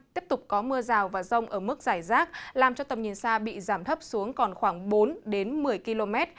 tiếp tục có mưa rào và rông ở mức giải rác làm cho tầm nhìn xa bị giảm thấp xuống còn khoảng bốn một mươi km